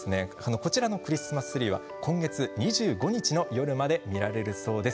こちらのクリスマスツリーは今月２５日の夜まで見られるそうです。